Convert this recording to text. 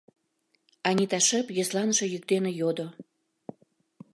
— Анита шып, йӧсланыше йӱк дене йодо.